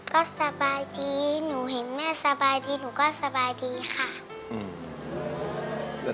ก็สบายดีหนูเห็นแม่สบายดีหนูก็สบายดีค่ะ